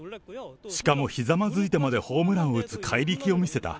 しかもひざまずいてまでホームランを打つ怪力を見せた。